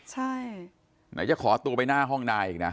ใช่ไหนจะขอตัวไปหน้าห้องนายอีกนะ